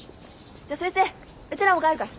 じゃあ先生うちらも帰るから。